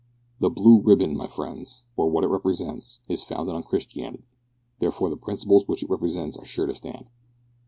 The Blue Ribbon, my friends, or what it represents, is founded on Christianity; therefore the principles which it represents are sure to stand.